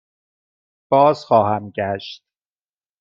بازخواهم گشت.